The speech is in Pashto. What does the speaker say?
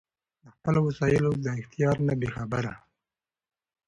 د خپلــــــو وسائیلـــــــو د اختیار نه بې خبره